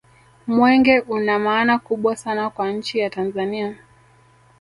mwenge una maana kubwa sana kwa nchi ya tanzania